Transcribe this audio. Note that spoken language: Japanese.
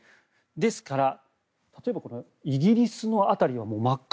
ですから、例えばこのイギリスの辺りはもう真っ赤。